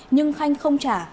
nhưng khanh không trả